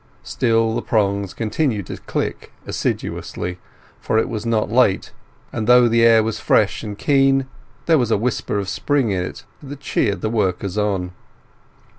Still the prongs continued to click assiduously, for it was not late; and though the air was fresh and keen there was a whisper of spring in it that cheered the workers on.